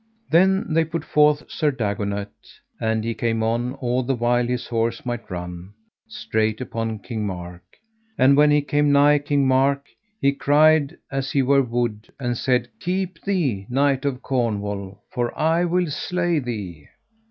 Then they put forth Sir Dagonet, and he came on all the while his horse might run, straight upon King Mark. And when he came nigh King Mark, he cried as he were wood, and said: Keep thee, knight of Cornwall, for I will slay thee.